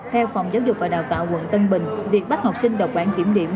theo phòng giáo dục và đào tạo quận tân bình việc bắt học sinh đọc bản kiểm điểm